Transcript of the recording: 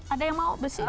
ada yang mau bersih